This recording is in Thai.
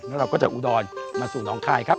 แล้วเราก็จะอุดรมาสู่น้องคายครับ